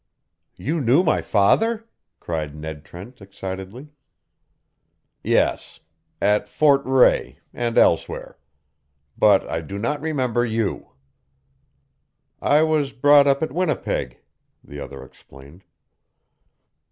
"You knew my father?" cried Ned Trent, excitedly. "Yes. At Fort Rae, and elsewhere. But I do not remember you." "I was brought up at Winnipeg," the other explained.